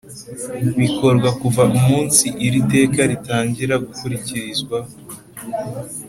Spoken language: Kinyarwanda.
bikorwa kuva umunsi iri teka ritangira gukurikizwa.